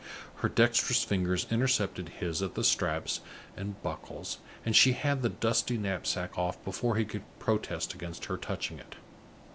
Her dexterous fingers intercepted his at the straps and buckles, and she had the dusty knapsack off, before he could protest against her touching it.